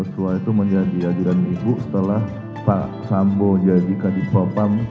bang yesua itu menjadi adjudan ibu setelah pak sambo jadi kadisopam